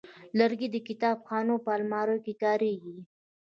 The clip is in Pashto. لرګی د کتابخانو په الماریو کې کارېږي.